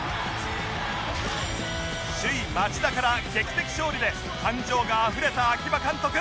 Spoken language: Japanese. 首位町田から劇的勝利で感情があふれた秋葉監督